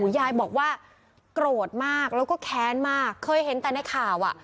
ยายบอกว่าโกรธมากแล้วก็แค้นมากเคยเห็นแต่ในข่าวอ่ะ